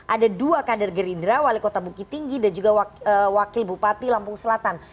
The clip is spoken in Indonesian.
ada dua kader gerindra wali kota bukit tinggi dan juga wakil bupati lampung selatan